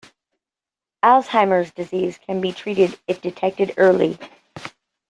Alzheimer’s disease can be treated if detected early.